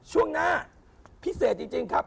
ช่วงหน้าเพราะผิดเสร็จจริงครับ